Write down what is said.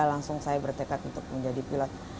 langsung saya bertekad untuk menjadi pilot